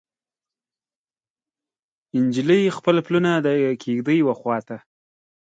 نجلۍ خپل پلونه د کیږدۍ وخواته